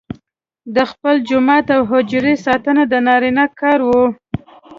د خپل جومات او حجرې ساتنه د نارینه کار وو.